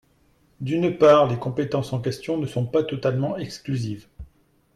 D’une part, les compétences en question ne sont pas totalement exclusives.